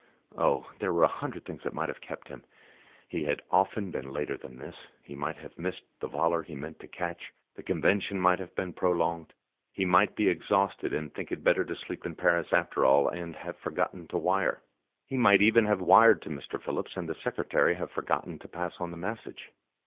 Oh! there were a hundred things that might have kept him. He had often been later than this: he might have missed the volor he meant to catch; the Convention might have been prolonged; he might be exhausted, and think it better to sleep in Paris after all, and have forgotten to wire. He might even have wired to Mr. Phillips, and the secretary have forgotten to pass on the message.